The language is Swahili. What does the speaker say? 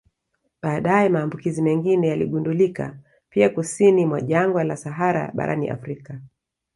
Baadaye maambukizi mengine yaligundulika pia kusini mwa jangwa la Sahara barani Afrika